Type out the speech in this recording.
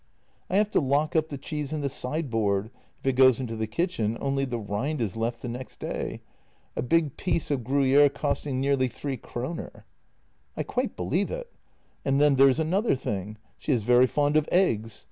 " I have to lock up the cheese in the sideboard; if it goes into the kitchen only the rind is left the next day — a big piece of Gruyére costing nearly three kroner." " I quite believe it." " And then there's another thing. She is very fond of eggs.